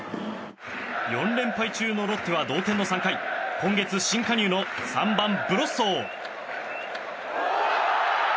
４連敗中のロッテは同点の３回今月新加入の３番、ブロッソー。